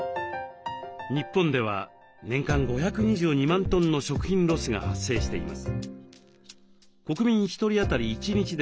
日本では年間５２２万トンの食品ロスが発生しています。